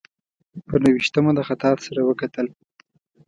پر نهه ویشتمه له خطاط سره وکتل.